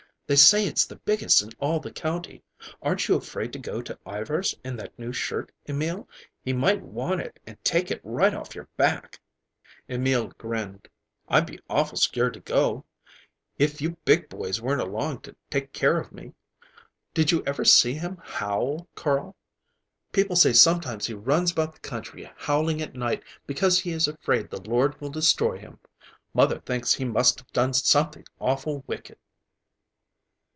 They say it's the biggest in all the country. Aren't you afraid to go to Ivar's in that new shirt, Emil? He might want it and take it right off your back." Emil grinned. "I'd be awful scared to go," he admitted, "if you big boys weren't along to take care of me. Did you ever hear him howl, Carl? People say sometimes he runs about the country howling at night because he is afraid the Lord will destroy him. Mother thinks he must have done something awful wicked."